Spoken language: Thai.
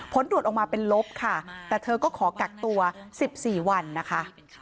ผลตรวจออกมาเป็นลบค่ะแต่เธอก็ขอกักตัว๑๔วันนะคะ